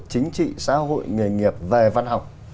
chính trị xã hội nghề nghiệp về văn học